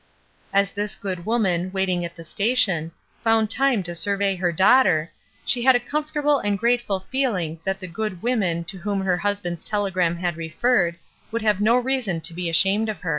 As this good woman, waiting at the station, found time to siu vey her daughter, she had a comfortable and grateful feeling that the "good women" to whom her husband's telegram had referred, would have no reason to be ashamed of her.